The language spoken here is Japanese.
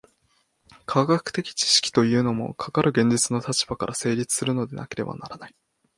科学的知識というのも、かかる現実の立場から成立するのでなければならない。